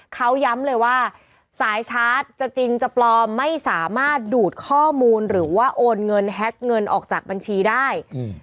เขาย้ำเลยว่าสายชาร์จจะจริงจะปลอมไม่สามารถดูดข้อมูลหรือว่าโอนเงินแฮ็กเงินออกจากบัญชีได้